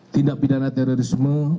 tindak pidana terorisme